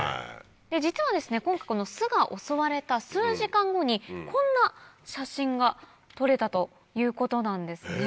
実は今回この巣が襲われた数時間後にこんな写真が撮れたということなんですね。